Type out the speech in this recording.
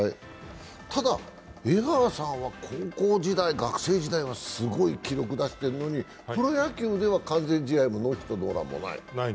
ただ、江川さんは高校時代、学生時代はすごい記録出してるのにプロ野球では完全試合もノーヒットノーランもない。